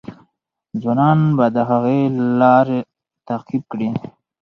ځوانان به د هغې لار تعقیب کړي.